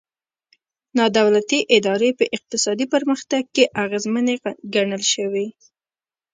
نا دولتي ادارې په اقتصادي پرمختګ کې اغېزمنې ګڼل شوي.